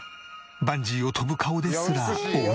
バンジーを飛ぶ顔ですらお美しい。